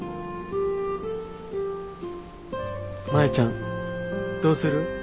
マヤちゃんどうする？